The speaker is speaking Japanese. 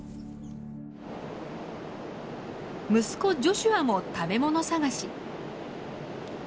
息子ジョシュアも食べ物探し。